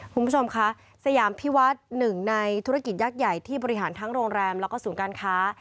คุณผู้ชมคะสยามพิวัฒน์หนึ่งในธุรกิจยักษ์ใหญ่ที่บริหารทั้งโรงแรมแล้วก็ศูนย์การค้า